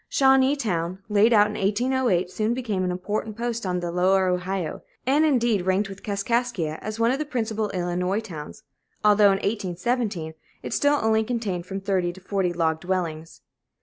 Shawneetown, laid out in 1808, soon became an important post on the Lower Ohio, and indeed ranked with Kaskaskia as one of the principal Illinois towns, although in 1817 it still only contained from thirty to forty log dwellings.